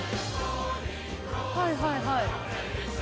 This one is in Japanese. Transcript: はいはいはい。